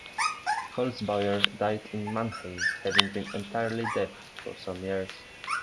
Holzbauer died in Mannheim, having been entirely deaf for some years.